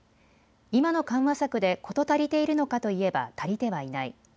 今の緩和策で事足りているのかと言えば足りてはいない。